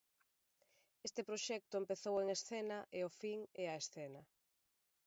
Este proxecto empezou en escena e o fin é a escena.